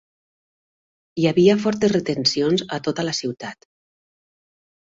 hi havia fortes retencions a tota la ciutat.